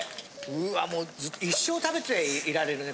うわもう一生食べていられるね